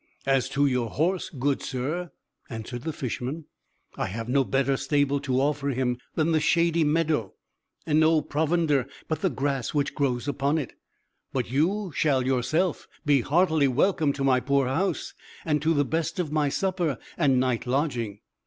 "As to your horse, good sir," answered the Fisherman, "I have no better stable to offer him than the shady meadow, and no provender but the grass which grows upon it. But you shall yourself be heartily welcome to my poor house, and to the best of my supper and night lodging."